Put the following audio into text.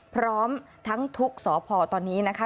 พร้อมทั้งทุกสพตอนนี้นะคะ